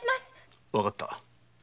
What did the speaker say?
わかった。